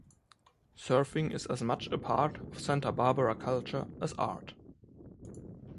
Surfing is as much a part of Santa Barbara culture as art.